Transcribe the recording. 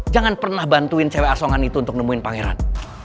jangan pernah bantuin cewek asongan itu untuk nemuin pangeran